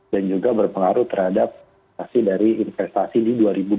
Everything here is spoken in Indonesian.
dan juga berpengaruh terhadap investasi di dua ribu dua puluh tiga